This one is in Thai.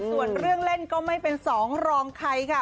ส่วนเรื่องเล่นก็ไม่เป็นสองรองใครค่ะ